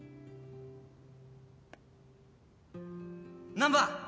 「難破！